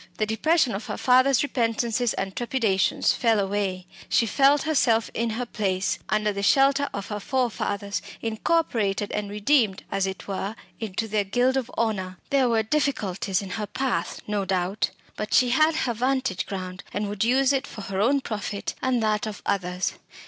The depression of her father's repentances and trepidations fell away; she felt herself in her place, under the shelter of her forefathers, incorporated and redeemed, as it were, into their guild of honour. There were difficulties in her path, no doubt but she had her vantage ground, and would use it for her own profit and that of others.